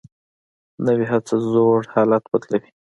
نوې هڅه زوړ حالت بدلوي